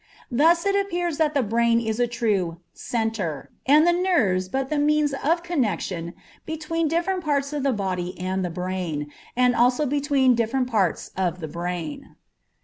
Thus it appears that the brain is a true "centre," and the nerves but the means of connection between different parts of the body and the brain, and also between different parts of the brain.